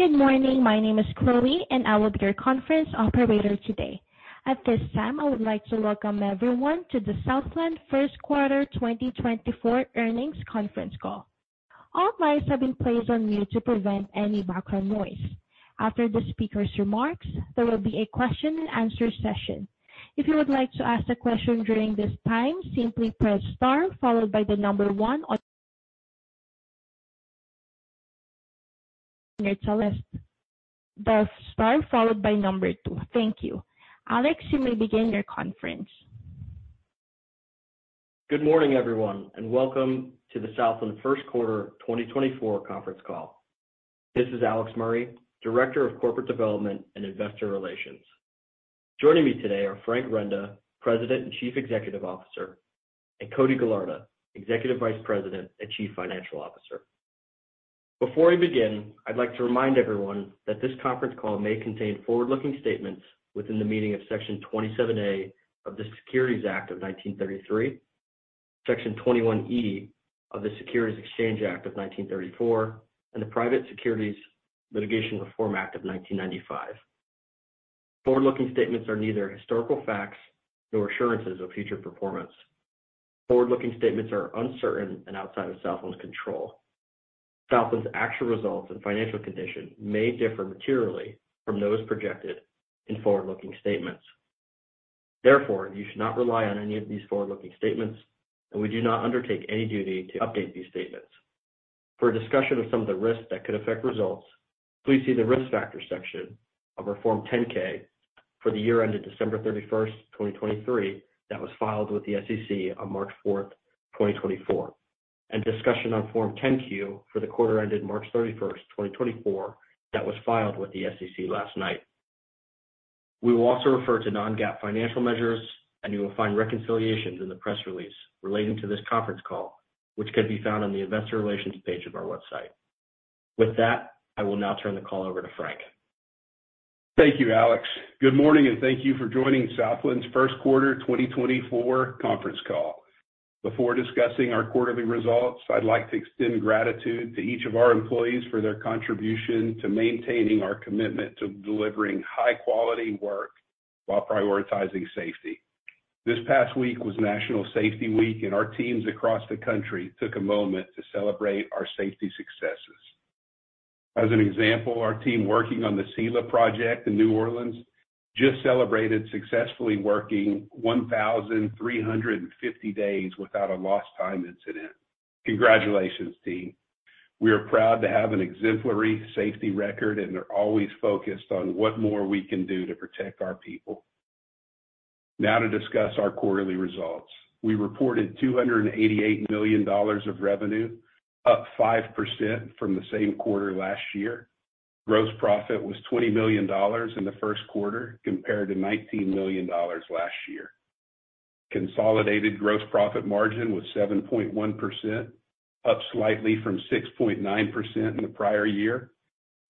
Good morning, my name is Chloe and I will be your conference operator today. At this time, I would like to welcome everyone to the Southland First Quarter 2024 Earnings Conference Call. All mics have been placed on mute to prevent any background noise. After the speaker's remarks, there will be a question-and-answer session. If you would like to ask a question during this time, simply press star followed by the number one on your list. The star followed by number two. Thank you. Alex, you may begin your conference. Good morning, everyone, and welcome to the Southland First Quarter 2024 conference call. This is Alex Murray, Director of Corporate Development and Investor Relations. Joining me today are Frank Renda, President and Chief Executive Officer, and Cody Gallarda, Executive Vice President and Chief Financial Officer. Before I begin, I'd like to remind everyone that this conference call may contain forward-looking statements within the meaning of Section 27A of the Securities Act of 1933, Section 21E of the Securities Exchange Act of 1934, and the Private Securities Litigation Reform Act of 1995. Forward-looking statements are neither historical facts nor assurances of future performance. Forward-looking statements are uncertain and outside of Southland's control. Southland's actual results and financial condition may differ materially from those projected in forward-looking statements. Therefore, you should not rely on any of these forward-looking statements, and we do not undertake any duty to update these statements. For a discussion of some of the risks that could affect results, please see the Risk Factors section of our Form 10-K for the year ended December 31st, 2023, that was filed with the SEC on March 4th, 2024, and discussion on Form 10-Q for the quarter ended March 31st, 2024, that was filed with the SEC last night. We will also refer to non-GAAP financial measures, and you will find reconciliations in the press release relating to this conference call, which can be found on the Investor Relations page of our website. With that, I will now turn the call over to Frank. Thank you, Alex. Good morning, and thank you for joining Southland's First Quarter 2024 Conference Call. Before discussing our quarterly results, I'd like to extend gratitude to each of our employees for their contribution to maintaining our commitment to delivering high-quality work while prioritizing safety. This past week was National Safety Week, and our teams across the country took a moment to celebrate our safety successes. As an example, our team working on the SELA Project in New Orleans just celebrated successfully working 1,350 days without a lost time incident. Congratulations, team. We are proud to have an exemplary safety record, and they're always focused on what more we can do to protect our people. Now to discuss our quarterly results. We reported $288 million of revenue, up 5% from the same quarter last year. Gross profit was $20 million in the first quarter compared to $19 million last year. Consolidated gross profit margin was 7.1%, up slightly from 6.9% in the prior year.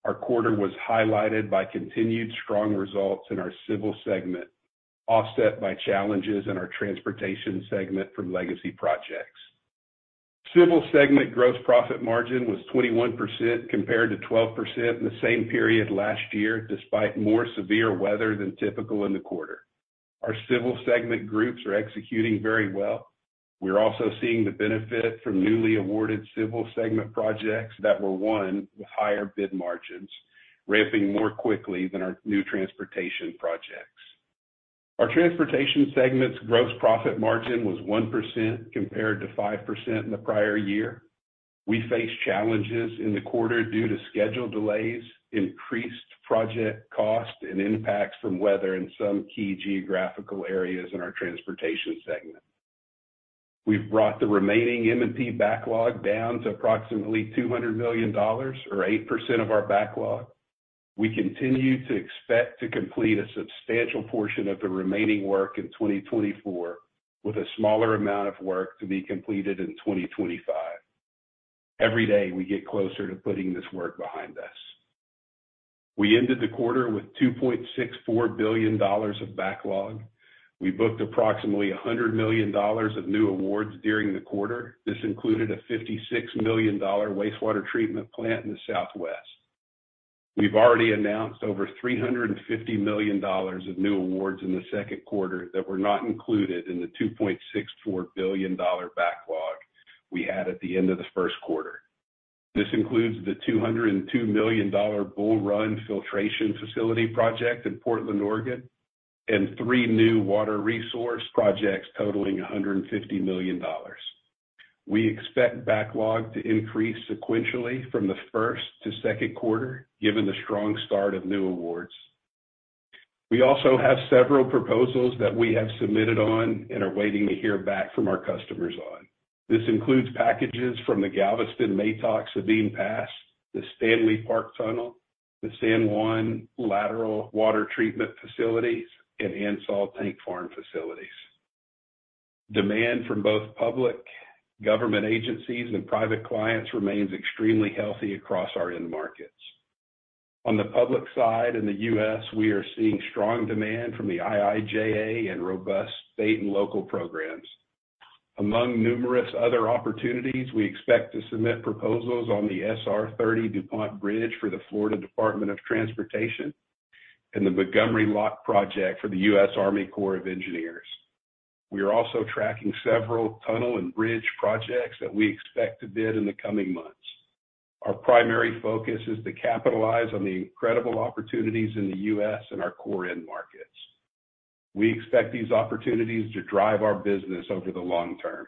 Our quarter was highlighted by continued strong results in our civil segment, offset by challenges in our transportation segment from legacy projects. Civil segment gross profit margin was 21% compared to 12% in the same period last year, despite more severe weather than typical in the quarter. Our civil segment groups are executing very well. We're also seeing the benefit from newly awarded civil segment projects that were won with higher bid margins, ramping more quickly than our new transportation projects. Our transportation segment's gross profit margin was 1% compared to 5% in the prior year. We faced challenges in the quarter due to schedule delays, increased project cost, and impacts from weather in some key geographical areas in our transportation segment. We've brought the remaining M&P backlog down to approximately $200 million, or 8% of our backlog. We continue to expect to complete a substantial portion of the remaining work in 2024 with a smaller amount of work to be completed in 2025. Every day, we get closer to putting this work behind us. We ended the quarter with $2.64 billion of backlog. We booked approximately $100 million of new awards during the quarter. This included a $56 million Wastewater Treatment Plant in the Southwest. We've already announced over $350 million of new awards in the second quarter that were not included in the $2.64 billion backlog we had at the end of the first quarter. This includes the $202 million Bull Run Filtration Facility project in Portland, Oregon, and three new water resource projects totaling $150 million. We expect backlog to increase sequentially from the first to second quarter, given the strong start of new awards. We also have several proposals that we have submitted on and are waiting to hear back from our customers on. This includes packages from the Galveston MATOC Sabine Pass, the Stanley Park Tunnel, the San Juan Lateral Water Treatment Plant, and Elm Fork Tank Farm facilities. Demand from both public, government agencies, and private clients remains extremely healthy across our end markets. On the public side in the U.S., we are seeing strong demand from the IIJA and robust state and local programs. Among numerous other opportunities, we expect to submit proposals on the SR 30 DuPont Bridge for the Florida Department of Transportation and the Montgomery Lock Project for the U.S. Army Corps of Engineers. We are also tracking several tunnel and bridge projects that we expect to bid in the coming months. Our primary focus is to capitalize on the incredible opportunities in the U.S. and our core end markets. We expect these opportunities to drive our business over the long term.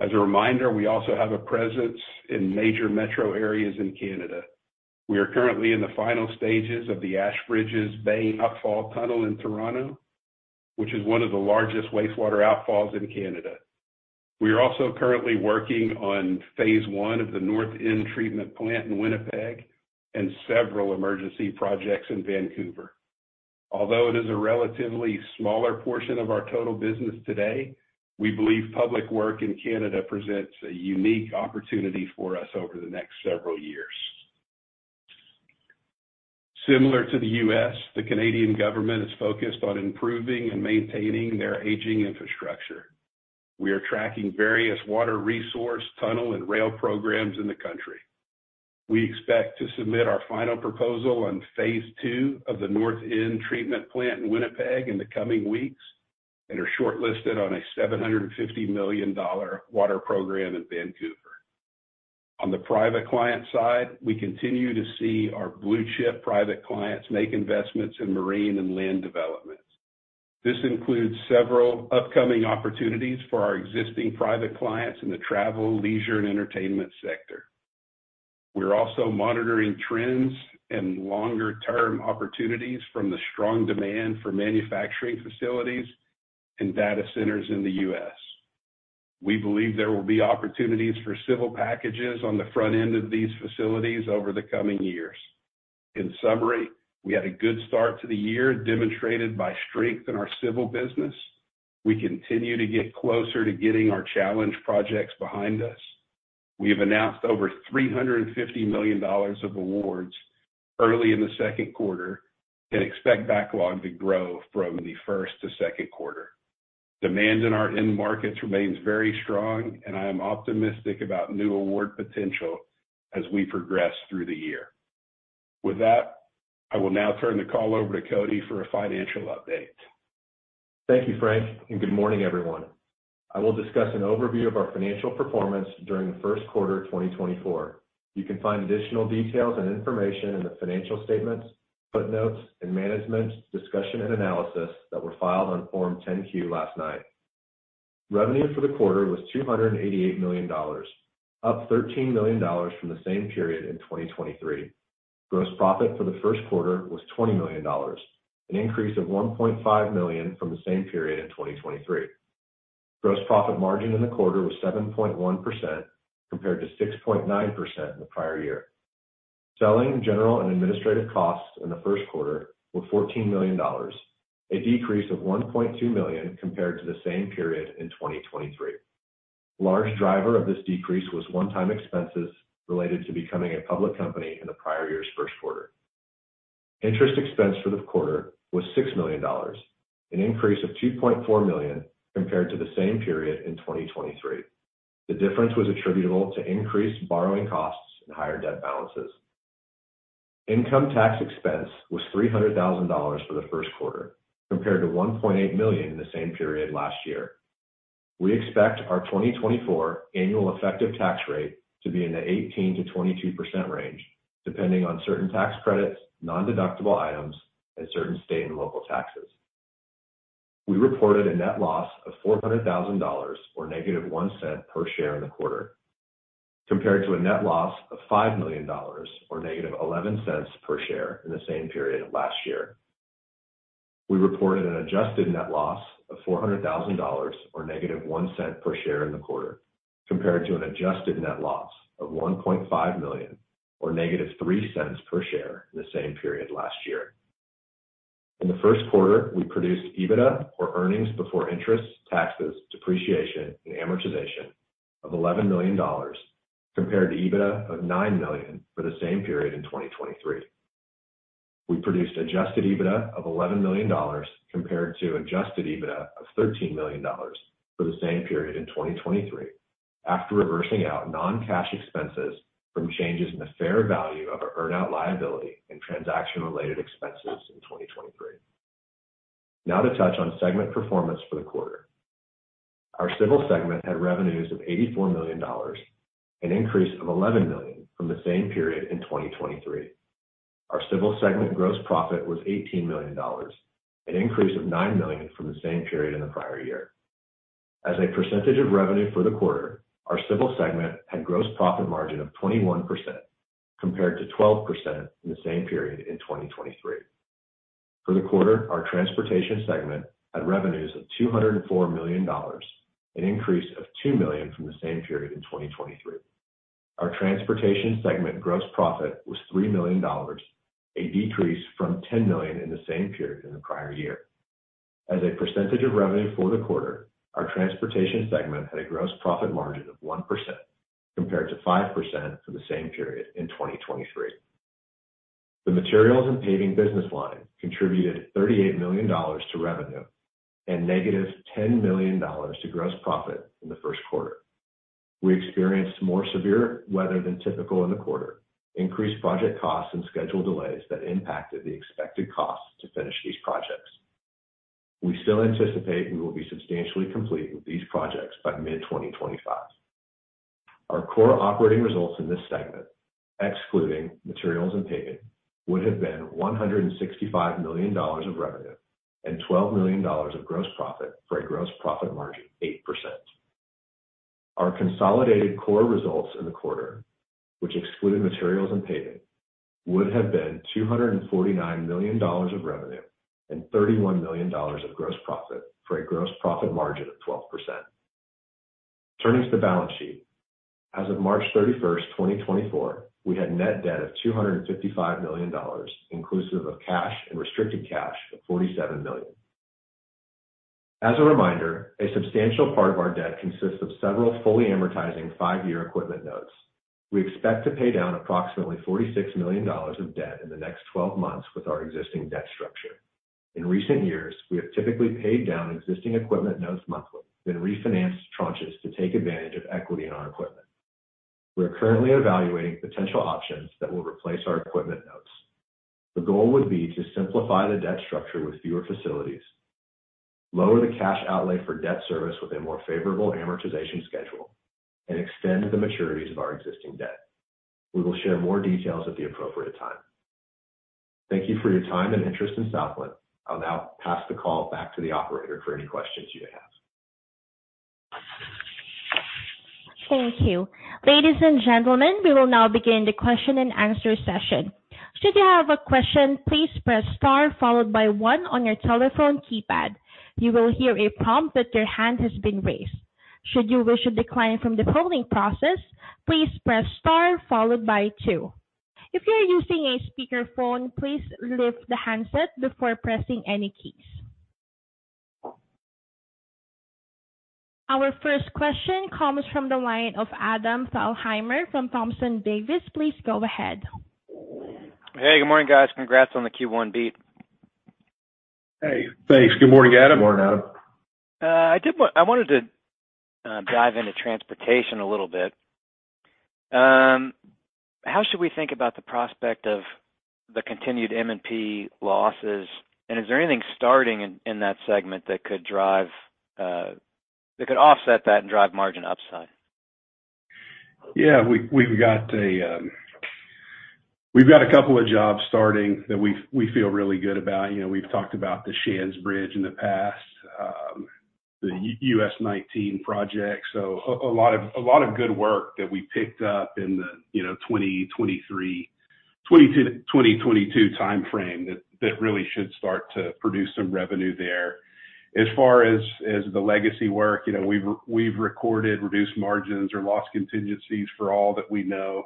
As a reminder, we also have a presence in major metro areas in Canada. We are currently in the final stages of the Ashbridges Bay Outfall Tunnel in Toronto, which is one of the largest wastewater outfalls in Canada. We are also currently working on Phase One of the North End Sewage Treatment Plant in Winnipeg and several emergency projects in Vancouver. Although it is a relatively smaller portion of our total business today, we believe public work in Canada presents a unique opportunity for us over the next several years. Similar to the U.S., the Canadian government is focused on improving and maintaining their aging infrastructure. We are tracking various water resource tunnel and rail programs in the country. We expect to submit our final proposal on Phase II of the North End Treatment Plant in Winnipeg in the coming weeks and are shortlisted on a $750 million water program in Vancouver. On the private client side, we continue to see our blue-chip private clients make investments in marine and land development. This includes several upcoming opportunities for our existing private clients in the travel, leisure, and entertainment sector. We're also monitoring trends and longer-term opportunities from the strong demand for manufacturing facilities and data centers in the U.S. We believe there will be opportunities for civil packages on the front end of these facilities over the coming years. In summary, we had a good start to the year demonstrated by strength in our civil business. We continue to get closer to getting our challenge projects behind us. We have announced over $350 million of awards early in the second quarter and expect backlog to grow from the first to second quarter. Demand in our end markets remains very strong, and I am optimistic about new award potential as we progress through the year. With that, I will now turn the call over to Cody for a financial update. Thank you, Frank, and good morning, everyone. I will discuss an overview of our financial performance during the first quarter 2024. You can find additional details and information in the financial statements, footnotes, and management discussion and analysis that were filed on Form 10-Q last night. Revenue for the quarter was $288 million, up $13 million from the same period in 2023. Gross profit for the first quarter was $20 million, an increase of $1.5 million from the same period in 2023. Gross profit margin in the quarter was 7.1% compared to 6.9% in the prior year. Selling, general, and administrative costs in the first quarter were $14 million, a decrease of $1.2 million compared to the same period in 2023. Large driver of this decrease was one-time expenses related to becoming a public company in the prior year's first quarter. Interest expense for the quarter was $6 million, an increase of $2.4 million compared to the same period in 2023. The difference was attributable to increased borrowing costs and higher debt balances. Income tax expense was $300,000 for the first quarter compared to $1.8 million in the same period last year. We expect our 2024 annual effective tax rate to be in the 18%-22% range, depending on certain tax credits, non-deductible items, and certain state and local taxes. We reported a net loss of $400,000 or -$0.01 per share in the quarter compared to a net loss of $5 million or -$0.11 per share in the same period last year. We reported an adjusted net loss of $400,000 or negative $0.01 per share in the quarter compared to an adjusted net loss of $1.5 million or negative $0.03 per share in the same period last year. In the first quarter, we produced EBITDA, or earnings before interest, taxes, depreciation, and amortization, of $11 million compared to EBITDA of $9 million for the same period in 2023. We produced adjusted EBITDA of $11 million compared to adjusted EBITDA of $13 million for the same period in 2023 after reversing out non-cash expenses from changes in the fair value of our earn-out liability and transaction-related expenses in 2023. Now to touch on segment performance for the quarter. Our civil segment had revenues of $84 million, an increase of $11 million from the same period in 2023. Our civil segment gross profit was $18 million, an increase of $9 million from the same period in the prior year. As a percentage of revenue for the quarter, our civil segment had gross profit margin of 21% compared to 12% in the same period in 2023. For the quarter, our transportation segment had revenues of $204 million, an increase of $2 million from the same period in 2023. Our transportation segment gross profit was $3 million, a decrease from $10 million in the same period in the prior year. As a percentage of revenue for the quarter, our transportation segment had a gross profit margin of 1% compared to 5% for the same period in 2023. The materials and paving business line contributed $38 million to revenue and negative $10 million to gross profit in the first quarter. We experienced more severe weather than typical in the quarter, increased project costs, and schedule delays that impacted the expected costs to finish these projects. We still anticipate we will be substantially complete with these projects by mid-2025. Our core operating results in this segment, excluding materials and paving, would have been $165 million of revenue and $12 million of gross profit for a gross profit margin of 8%. Our consolidated core results in the quarter, which excluded materials and paving, would have been $249 million of revenue and $31 million of gross profit for a gross profit margin of 12%. Turning to the balance sheet, as of March 31st, 2024, we had net debt of $255 million, inclusive of cash and restricted cash of $47 million. As a reminder, a substantial part of our debt consists of several fully amortizing five-year equipment notes. We expect to pay down approximately $46 million of debt in the next 12 months with our existing debt structure. In recent years, we have typically paid down existing equipment notes monthly, then refinanced tranches to take advantage of equity in our equipment. We are currently evaluating potential options that will replace our equipment notes. The goal would be to simplify the debt structure with fewer facilities, lower the cash outlay for debt service with a more favorable amortization schedule, and extend the maturities of our existing debt. We will share more details at the appropriate time. Thank you for your time and interest in Southland. I'll now pass the call back to the operator for any questions you may have. Thank you. Ladies and gentlemen, we will now begin the question-and-answer session. Should you have a question, please press star followed by one on your telephone keypad. You will hear a prompt that your hand has been raised. Should you wish to decline from the polling process, please press star followed by two. If you are using a speakerphone, please lift the handset before pressing any keys. Our first question comes from the line of Adam Thalhimer from Thompson Davis. Please go ahead. Hey, good morning, guys. Congrats on the Q1 beat. Hey, thanks. Good morning, Adam. Good morning, Adam. I wanted to dive into transportation a little bit. How should we think about the prospect of the continued M&P losses, and is there anything starting in that segment that could offset that and drive margin upside? Yeah, we've got a couple of jobs starting that we feel really good about. We've talked about the Shands Bridge in the past, the U.S. 19 project, so a lot of good work that we picked up in the 2022 timeframe that really should start to produce some revenue there. As far as the legacy work, we've recorded reduced margins or lost contingencies for all that we know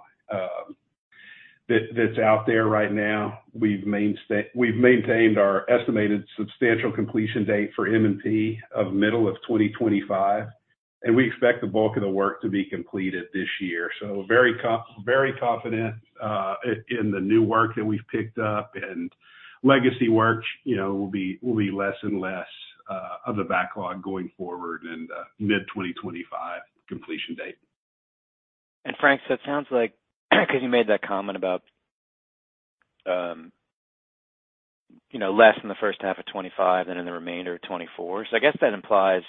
that's out there right now. We've maintained our estimated substantial completion date for M&P of middle of 2025, and we expect the bulk of the work to be completed this year. So very confident in the new work that we've picked up, and legacy work will be less and less of the backlog going forward and mid-2025 completion date. And Frank, because you made that comment about less in the first half of 2025 than in the remainder of 2024, so I guess that implies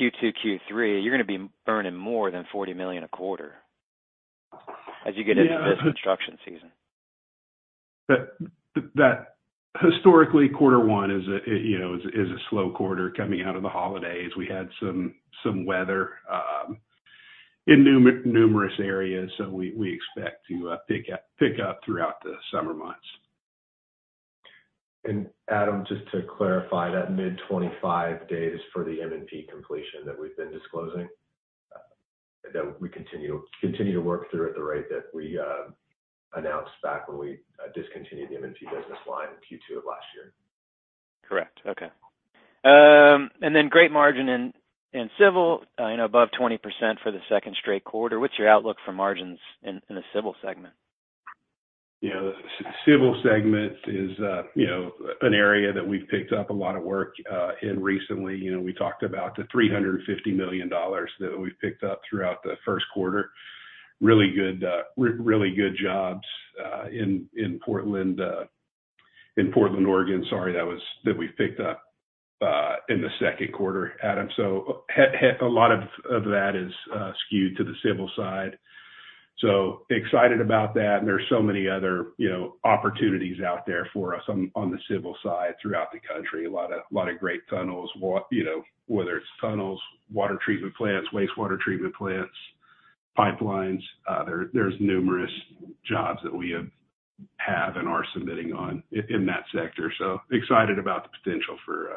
Q2, Q3, you're going to be earning more than $40 million a quarter as you get into this construction season. Historically, quarter one is a slow quarter coming out of the holidays. We had some weather in numerous areas, so we expect to pick up throughout the summer months. Adam, just to clarify, that mid-2025 date is for the M&P completion that we've been disclosing? That we continue to work through at the rate that we announced back when we discontinued the M&P business line in Q2 of last year? Correct. Okay. And then great margin in civil, above 20% for the second straight quarter. What's your outlook for margins in the civil segment? Civil segment is an area that we've picked up a lot of work in recently. We talked about the $350 million that we've picked up throughout the first quarter. Really good jobs in Portland, Oregon, sorry, that we've picked up in the second quarter, Adam. So a lot of that is skewed to the civil side. So excited about that, and there's so many other opportunities out there for us on the civil side throughout the country. A lot of great tunnels, whether it's tunnels, water treatment plants, Wastewater Treatment Plants, pipelines. There's numerous jobs that we have and are submitting on in that sector. So excited about the potential for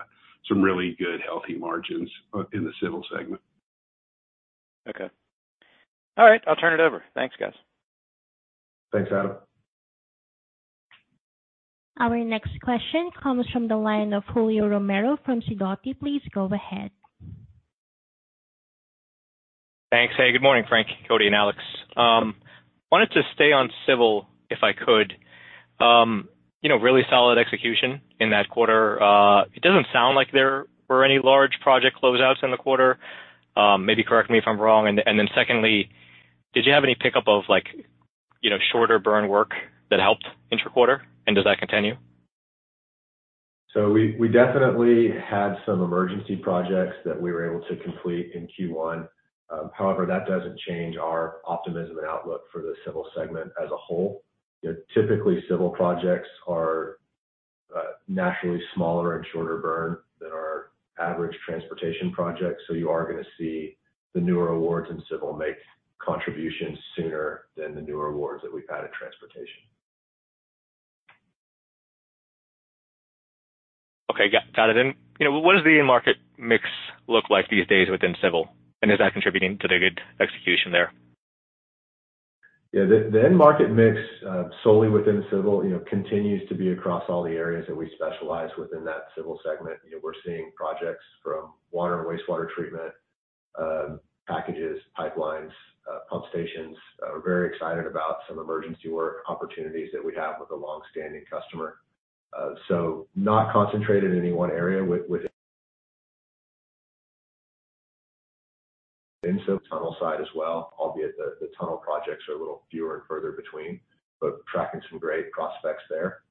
some really good, healthy margins in the civil segment. Okay. All right. I'll turn it over. Thanks, guys. Thanks, Adam. Our next question comes from the line of Julio Romero from Sidoti. Please go ahead. Thanks. Hey, good morning, Frank, Cody, and Alex. Wanted to stay on civil if I could. Really solid execution in that quarter. It doesn't sound like there were any large project closeouts in the quarter. Maybe correct me if I'm wrong. And then secondly, did you have any pickup of shorter burn work that helped interquarter, and does that continue? So we definitely had some emergency projects that we were able to complete in Q1. However, that doesn't change our optimism and outlook for the civil segment as a whole. Typically, civil projects are naturally smaller and shorter burn than our average transportation projects, so you are going to see the newer awards in civil make contributions sooner than the newer awards that we've had in transportation. Okay. Got it. What does the end-market mix look like these days within civil, and is that contributing to the good execution there? Yeah, the end-market mix solely within civil continues to be across all the areas that we specialize within that civil segment. We're seeing projects from water and wastewater treatment packages, pipelines, pump stations. We're very excited about some emergency work opportunities that we have with a longstanding customer. So not concentrated in any one area within. Tunnel side as well, albeit the tunnel projects are a little fewer and further between, but tracking some great prospects there.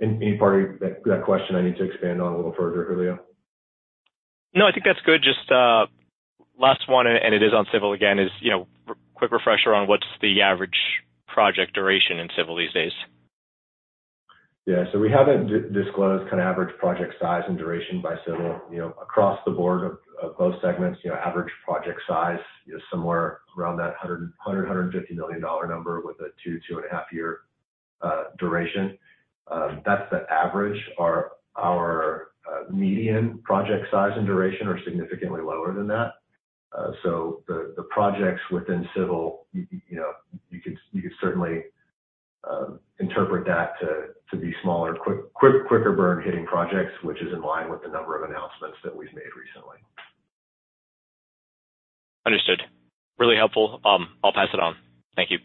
Any part of that question I need to expand on a little further, Julio? No, I think that's good. Just last one, and it is on civil again. Is quick refresher on what's the average project duration in civil these days? Yeah. So we haven't disclosed kind of average project size and duration by civil. Across the board of both segments, average project size is somewhere around that $100-$150 million number with a 2-2.5-year duration. That's the average. Our median project size and duration are significantly lower than that. So the projects within civil, you could certainly interpret that to be smaller, quicker burn hitting projects, which is in line with the number of announcements that we've made recently. Understood. Really helpful. I'll pass it on. Thank you.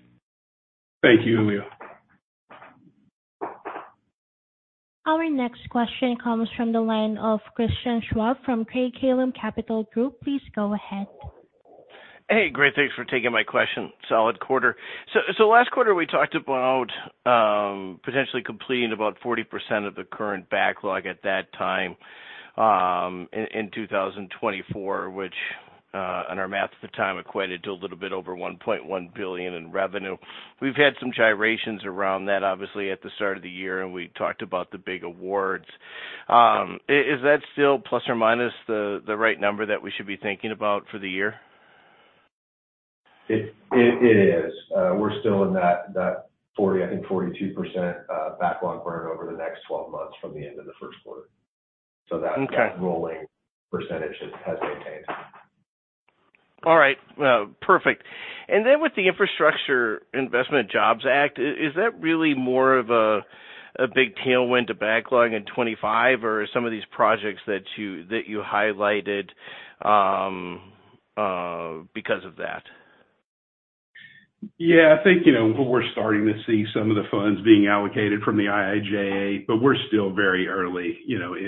Thank you, Julio. Our next question comes from the line of Christian Schwab from Craig-Hallum Capital Group. Please go ahead. Hey, great. Thanks for taking my question. Solid quarter. So last quarter, we talked about potentially completing about 40% of the current backlog at that time in 2024, which in our math at the time equated to a little bit over $1.1 billion in revenue. We've had some gyrations around that, obviously, at the start of the year, and we talked about the big awards. Is that still ± the right number that we should be thinking about for the year? It is. We're still in that 40, I think 42% backlog burn over the next 12 months from the end of the first quarter. So that rolling percentage has maintained. All right. Perfect. And then with the Infrastructure Investment Jobs Act, is that really more of a big tailwind to backlog in 2025, or are some of these projects that you highlighted because of that? Yeah, I think we're starting to see some of the funds being allocated from the IIJA, but we're still very early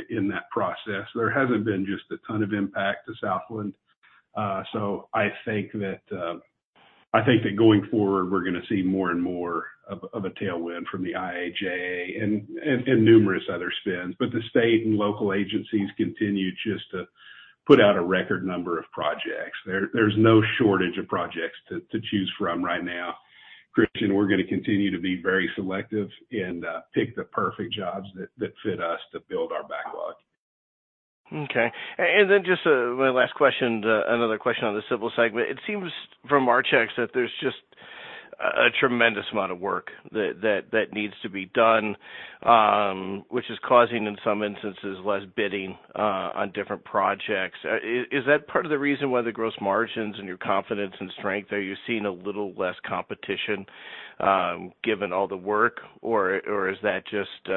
in that process. There hasn't been just a ton of impact to Southland. So I think that going forward, we're going to see more and more of a tailwind from the IIJA and numerous other spends. But the state and local agencies continue just to put out a record number of projects. There's no shortage of projects to choose from right now. Christian, we're going to continue to be very selective and pick the perfect jobs that fit us to build our backlog. Okay. Then just my last question, another question on the civil segment. It seems from our checks that there's just a tremendous amount of work that needs to be done, which is causing, in some instances, less bidding on different projects. Is that part of the reason why the gross margins and your confidence and strength are you seeing a little less competition given all the work, or is that just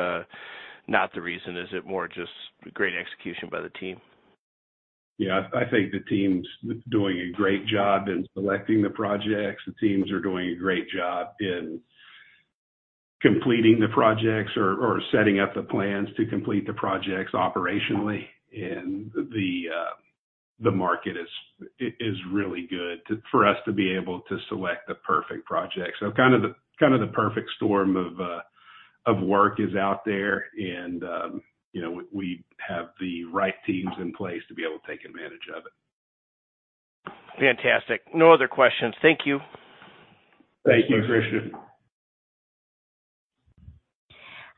not the reason? Is it more just great execution by the team? Yeah, I think the team's doing a great job in selecting the projects. The teams are doing a great job in completing the projects or setting up the plans to complete the projects operationally. And the market is really good for us to be able to select the perfect projects. So kind of the perfect storm of work is out there, and we have the right teams in place to be able to take advantage of it. Fantastic. No other questions. Thank you. Thank you, Christian.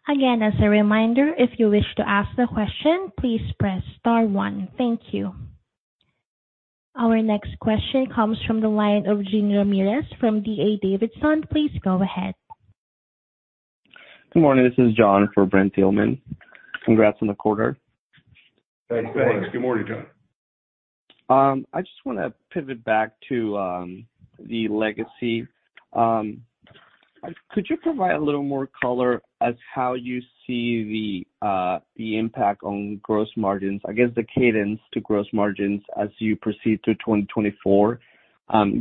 Again, as a reminder, if you wish to ask the question, please press star one. Thank you. Our next question comes from the line of Jean Ramirez from D.A. Davidson. Please go ahead. Good morning. This is John for Brent Thielman. Congrats on the quarter. Thanks. Thanks. Good morning, John. I just want to pivot back to the legacy. Could you provide a little more color as how you see the impact on gross margins, I guess the cadence to gross margins as you proceed through 2024,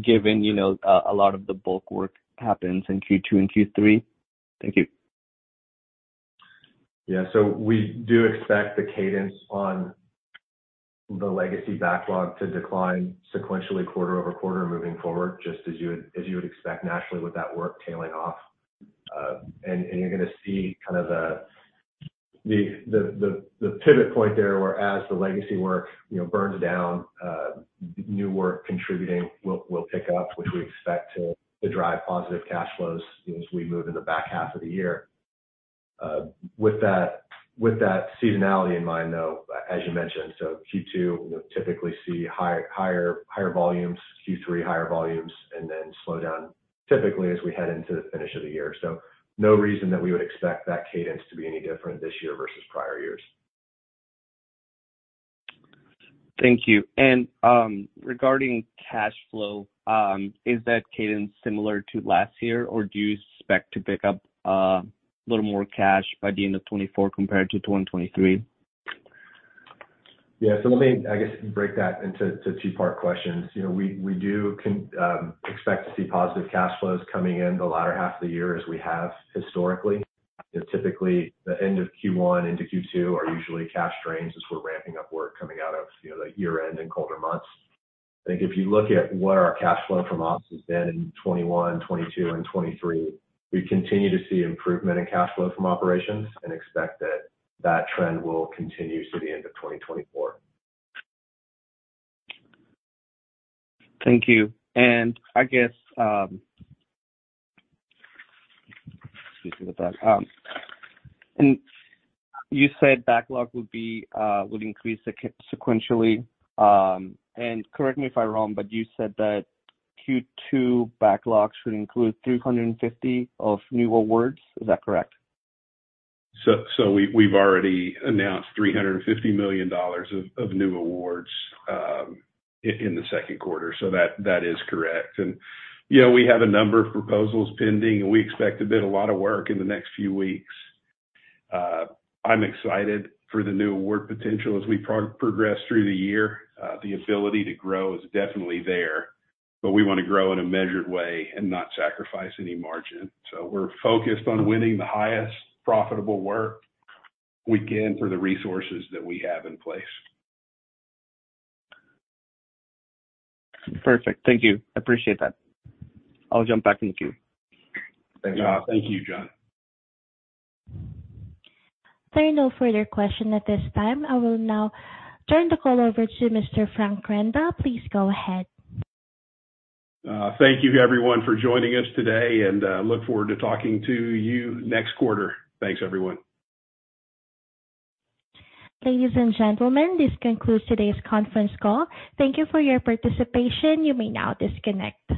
given a lot of the bulk work happens in Q2 and Q3? Thank you. Yeah. So we do expect the cadence on the legacy backlog to decline sequentially quarter-over-quarter moving forward, just as you would expect nationally with that work tailing off. And you're going to see kind of the pivot point there where, as the legacy work burns down, new work contributing will pick up, which we expect to drive positive cash flows as we move in the back half of the year. With that seasonality in mind, though, as you mentioned, so Q2, typically see higher volumes, Q3, higher volumes, and then slow down, typically, as we head into the finish of the year. So no reason that we would expect that cadence to be any different this year versus prior years. Thank you. And regarding cash flow, is that cadence similar to last year, or do you expect to pick up a little more cash by the end of 2024 compared to 2023? Yeah. So let me, I guess, break that into two-part questions. We do expect to see positive cash flows coming in the latter half of the year as we have historically. Typically, the end of Q1 into Q2 are usually cash drains as we're ramping up work coming out of the year-end and colder months. I think if you look at what our cash flow from ops has been in 2021, 2022, and 2023, we continue to see improvement in cash flow from operations and expect that that trend will continue through the end of 2024. Thank you. I guess excuse me for that. You said backlog would increase sequentially. Correct me if I'm wrong, but you said that Q2 backlog should include $350 million of new awards. Is that correct? So we've already announced $350 million of new awards in the second quarter. So that is correct. And we have a number of proposals pending, and we expect to bid a lot of work in the next few weeks. I'm excited for the new award potential as we progress through the year. The ability to grow is definitely there, but we want to grow in a measured way and not sacrifice any margin. So we're focused on winning the highest profitable work we can for the resources that we have in place. Perfect. Thank you. I appreciate that. I'll jump back in the queue. Thank you. Thank you, John. There are no further questions at this time. I will now turn the call over to Mr. Frank Renda. Please go ahead. Thank you, everyone, for joining us today, and look forward to talking to you next quarter. Thanks, everyone. Ladies and gentlemen, this concludes today's conference call. Thank you for your participation. You may now disconnect.